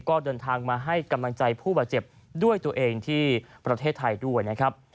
ก็เดินทางมาให้กำลังใจผู้บาดเจ็บด้วยตัวเองที่ประเทศไทยด้วยนะครับ